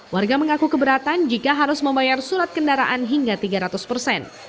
warga mengaku keberatan jika harus membayar surat kendaraan hingga tiga ratus persen